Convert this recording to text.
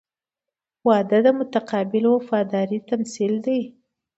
• واده د متقابل وفادارۍ تمثیل دی.